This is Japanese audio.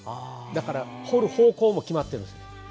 だから彫る方向も決まってるんです。